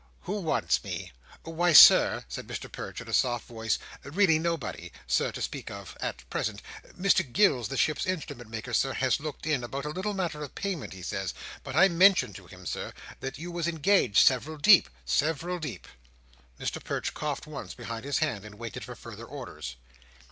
"Who wants me?" "Why, Sir," said Mr Perch, in a soft voice, "really nobody, Sir, to speak of at present. Mr Gills the Ship's Instrument maker, Sir, has looked in, about a little matter of payment, he says: but I mentioned to him, Sir, that you was engaged several deep; several deep." Mr Perch coughed once behind his hand, and waited for further orders.